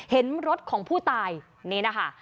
เห็นรถของผู้ตายนี่นะคะ